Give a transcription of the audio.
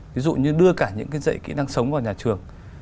ví dụ như đưa cả những cái dạy kỹ năng sống vào nhà trường